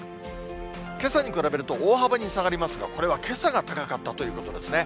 けさに比べると大幅に下がりますが、これはけさが高かったということですね。